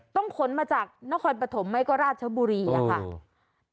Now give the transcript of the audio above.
ต้องขนมาจากนครปฐมไหมก็ราชบุรีอะค่ะ